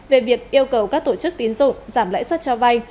về việc yêu cầu các tổ chức tín dụng giảm lãi suất cho vay